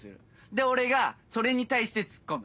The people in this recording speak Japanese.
で俺がそれに対してツッコむ。